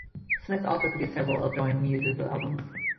Smith also produced several of Throwing Muses' albums.